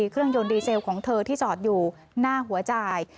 เครื่องยนต์ดีเซลของเธอที่จอดอยู่หน้าหัวจ่าย